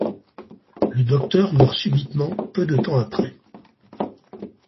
Le docteur meurt subitement peu de temps après.